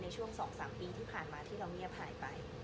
ในช่วง๒๓ปีที่ผ่านมาที่เราเงียบหายไป